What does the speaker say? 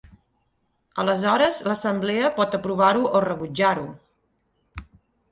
Aleshores l'assemblea pot aprovar-ho o rebutjar-ho.